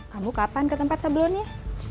kamu kapan ke tempat sebelumnya